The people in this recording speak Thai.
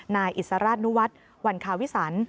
นายอิสราชนุวัฒน์วันคาวิสัน